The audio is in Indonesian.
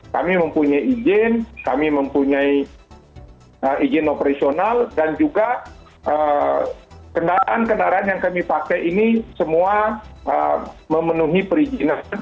kami mempunyai izin kami mempunyai izin operasional dan juga kendaraan kendaraan yang kami pakai ini semua memenuhi perizinan